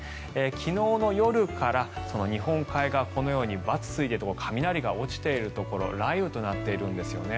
昨日の夜から日本海側このようにバツがついているところ雷が落ちているところ雷雨となっているんですね。